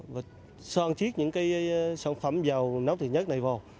và son chiếc những cái sản phẩm dầu nấu thịt nhất này vào